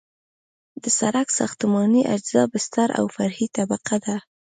د سرک ساختماني اجزا بستر او فرعي طبقه ده